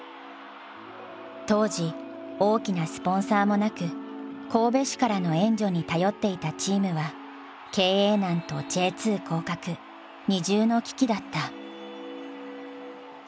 当時大きなスポンサーもなく神戸市からの援助に頼っていたチームは経営難とＪ２降格二重の危機だった。